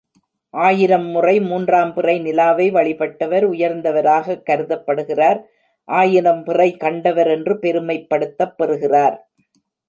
ஆயிரம் முறை மூன்றாம் பிறை நிலாவை வழிபட்டவர் உயர்ந்தவராகக் கருதப்படுகிறார் ஆயிரம் பிறை கண்டவர் என்று பெருமைப்படுத்தப் பெறுகிறார்.